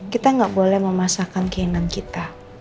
kita gak boleh memasahkan keinginan kita